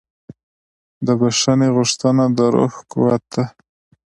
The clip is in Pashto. د بښنې غوښتنه د روح قوت ده.